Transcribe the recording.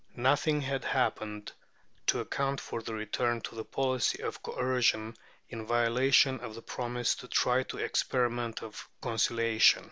Nothing had happened to account for the return to the policy of coercion in violation of the promise to try the experiment of conciliation.